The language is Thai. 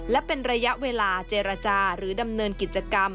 และเป็นระยะเวลาเจรจาหรือดำเนินกิจกรรม